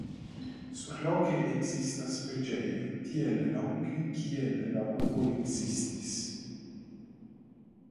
Surloke ekzistas preĝejo tiel longe kiel la urbo ekzistis.